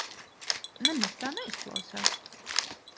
Nemaz tā neizklausās.